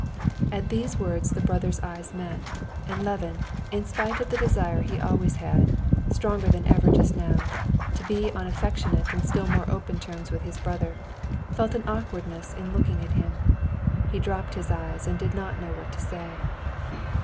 At these words the brothers' eyes met, and Levin, in spite of the desire he always had, stronger than ever just now, to be on affectionate and still more open terms with his brother, felt an awkwardness in looking at him. He dropped his eyes and did not know what to say.